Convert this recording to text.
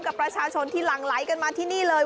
กับประชาชนที่หลั่งไหลกันมาที่นี่เลย